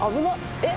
えっ？